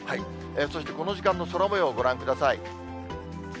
そしてこの時間の空もよう、ご覧ください。